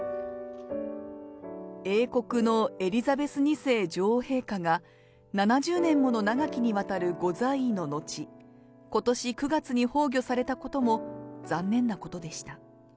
英国のエリザベス２世女王陛下が、７０年もの長きにわたるご在位の後、ことし９月に崩御されたことも、残念なことでした。